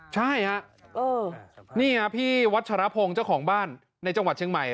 ใช่ฮะนี่พี่วัชรพงศ์เจ้าของบ้านในจังหวัดเชียงใหม่